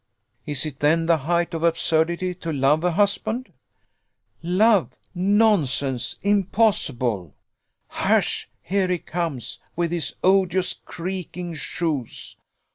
"Is it then the height of absurdity to love a husband?" "Love! Nonsense! Impossible! Hush! here he comes, with his odious creaking shoes.